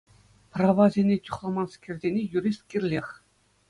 Правасене чухламанскерсене юрист кирлех.